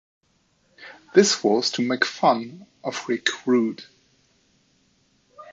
This was to make fun of Rick Rude.